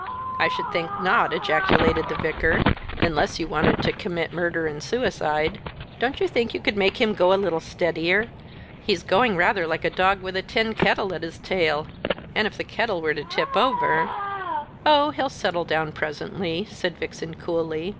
"I should think not," ejaculated the Vicar; "unless you wanted to commit murder and suicide. Don't you think you could make him go a little steadier? He's going rather like a dog with a tin kettle at his tail, and if the kettle were to tip over " "Oh, he'll settle down presently," said Vixen coolly.